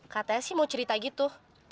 katanya sih mau cerita gitu